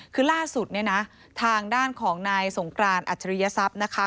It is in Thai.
คือล่าสุดเนี่ยนะทางด้านของนายสงกรานอัจฉริยศัพย์นะคะ